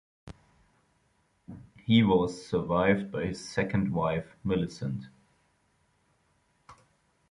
He was survived by his second wife, Millicent.